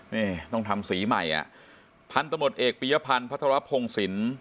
นี่ต้องทำสีใหม่อ่ะพันธมตเอกปียพันธ์พัทรพงศิลป์